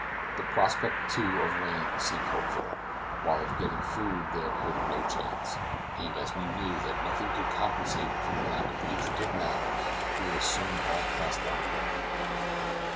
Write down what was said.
The prospect, too, of rain seemed hopeful, while for getting food there appeared no chance; and, as we knew that nothing could compensate for the lack of nutritive matter, we were soon all cast down again.